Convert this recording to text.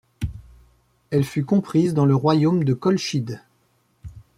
Elle fut comprise dans le royaume de Colchide.